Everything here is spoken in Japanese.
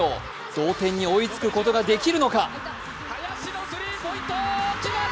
同点に追いつくことができるのか。